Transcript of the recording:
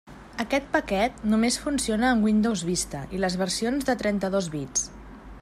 Aquest paquet només funciona amb Windows Vista i les versions de trenta-dos bits.